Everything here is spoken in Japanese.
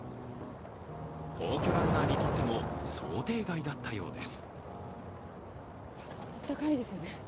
皇居ランナーにとっても、想定外だったようです。